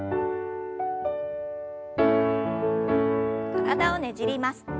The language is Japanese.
体をねじります。